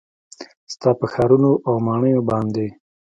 ستا په ښارونو او ماڼیو باندې